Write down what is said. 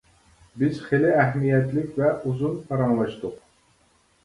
بىز خېلى ئەھمىيەتلىك ۋە ئۇزۇن پاراڭلاشتۇق.